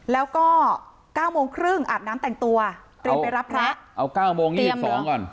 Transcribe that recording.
แล้วก็เก้าโมงครึ่งอาบน้ำแต่งตัวเตรียมไปรับพระเอา๙โมง๒๒ก่อน